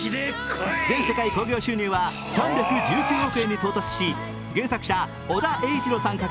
全世界興行収入は３１９億円に達し原作者・尾田栄一郎さん描き